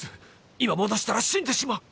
今戻したら死んでしまう！